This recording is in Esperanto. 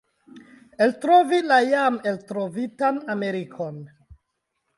eltrovi la jam eltrovitan Amerikon!